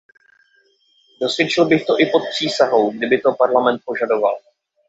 Dosvědčil bych to i pod přísahou, kdyby to Parlament požadoval.